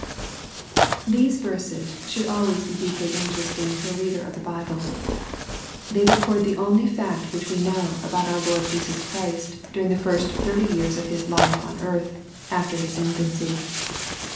These verses should always be deeply interesting to a reader of the Bible. They record the only fact which we know about our Lord Jesus Christ during the first thirty years of His life on earth, after His infancy.